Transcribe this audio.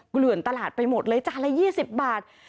เกลื่อนตลาดไปหมดเลยจานละ๒๐บาท